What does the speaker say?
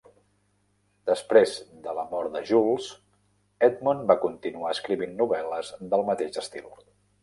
Després de la mort de Jules, Edmond va continuar escrivint novel·les del mateix estil.